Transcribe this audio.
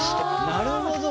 なるほど！